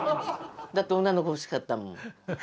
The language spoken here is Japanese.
だって女の子欲しかったもん。